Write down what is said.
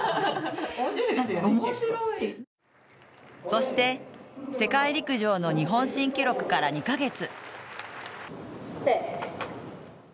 そして世界陸上の日本新記録から２か月。